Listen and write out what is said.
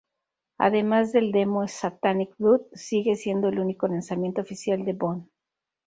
Además del demo "Satanic Blood", sigue siendo el único lanzamiento oficial de Von.